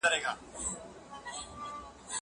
زه هره ورځ بازار ته ځم!!